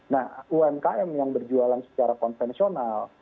nah umkm yang berjualan secara konvensional